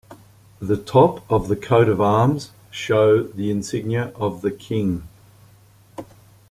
The top of the coat of arms show the insignia of the King.